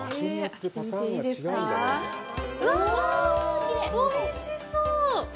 うわぁ、おいしそう！